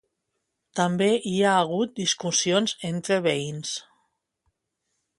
També hi ha hagut discussions entre veïns.